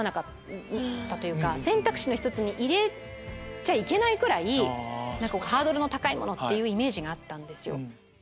選択肢の１つに入れちゃいけないくらいハードルの高いものっていうイメージがあったんですよ。